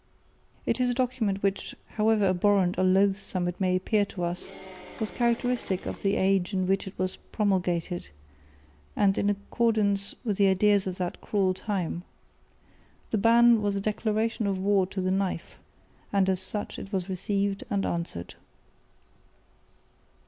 It is a document which, however abhorrent or loathsome it may appear to us, was characteristic of the age in which it was promulgated and in accordance with the ideas of that cruel time. The ban was a declaration of war to the knife, and as such it was received and answered.